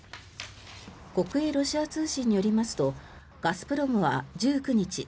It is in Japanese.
国営ロシア通信によりますとガスプロムは１９日